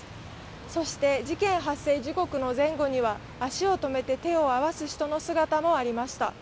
そして事件発生時刻の前後には足を止めて手を合わせる人の姿もありました。